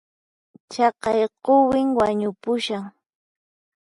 Chaqay quwin wañupushan